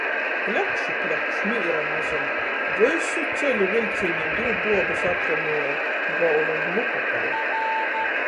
Pļakš i pļakš, mīra nazyna. Vysu ceļu viļcīnī div buobys atrunuoja, golva glupa palyka.